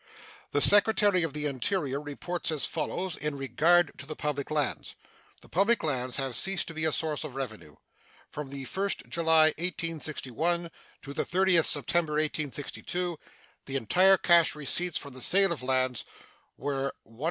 The Secretary of the Interior reports as follows in regard to the public lands: The public lands have ceased to be a source of revenue. From the 1st July, 1861, to the 30th September, 1862, the entire cash receipts from the sale of lands were $137,476.